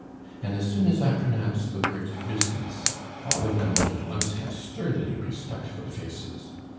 And as soon as I pronounce the word 'business,' all of them will at once have sternly respectful faces.